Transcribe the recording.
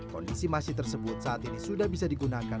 kondisi masjid tersebut saat ini sudah bisa digunakan